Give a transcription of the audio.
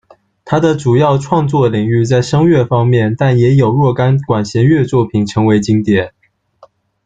他的主要创作领域在声乐方面，但也有若干管弦乐作品成为经典。